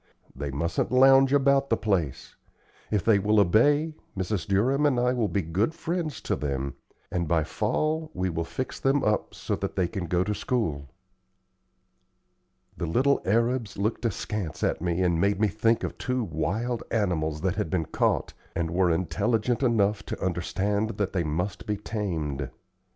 They mustn't lounge about the place. If they will obey, Mrs. Durham and I will be good friends to them, and by fall we will fix them up so that they can go to school." The little arabs looked askance at me and made me think of two wild animals that had been caught, and were intelligent enough to understand that they must be tamed.